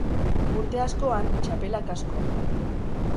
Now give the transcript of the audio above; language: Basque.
Urte askoan txapela kaskoan.